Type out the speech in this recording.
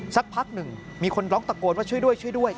สักพักหนึ่งมีคนร้องตะโกนว่าช่วยด้วยช่วยด้วย